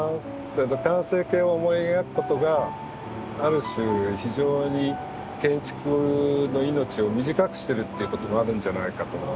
完成形を思い描くことがある種非常に建築の命を短くしてるっていうこともあるんじゃないかと思うんです。